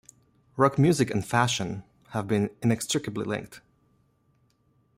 Rock music and fashion have been inextricably linked.